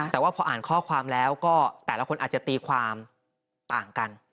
แต่ว่าพออ่านข้อความแล้วก็แต่ละคนอาจจะตีความต่างกัน